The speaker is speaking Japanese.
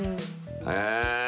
へえ！